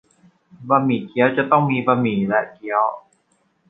บะหมี่เกี๊ยวจะต้องมีบะหมี่และเกี๊ยว